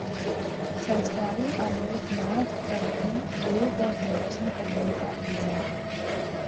سنسکاری الوک ناتھ پر بھی ریپ اور ہراساں کرنے کا الزام